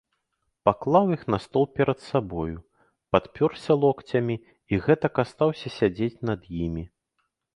Паклаў іх на стол перад сабою, падпёрся локцямі і гэтак астаўся сядзець над імі.